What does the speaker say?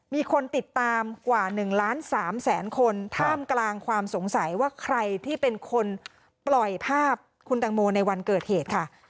มีคนติดตามกว่า๑ล้าน๓แสนคนท่ามกลางความสงสัยว่าใครที่เป็นคนปล่อยภาพคุณตังโมในวันเกิดเหตุค่ะ